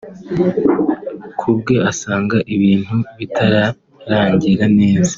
Ku bwe asanga ibintu bitarangira neza